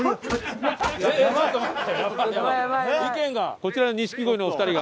こちらの錦鯉のお二人が。